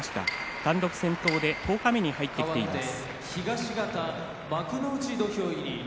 単独先頭で十日目に入ってきています。